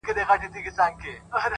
له هنداري څه بېــخاره دى لوېـــدلى-